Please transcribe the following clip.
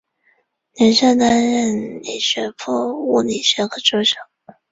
留校担任理学部物理学科助手。